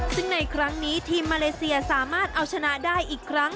ซึ่งในครั้งนี้ทีมมาเลเซียสามารถเอาชนะได้อีกครั้ง